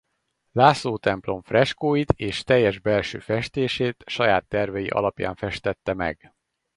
László templom freskóit és teljes belső festését saját tervei alapján festette meg.